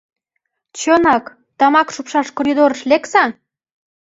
— Чынак, тамак шупшаш коридорыш лекса!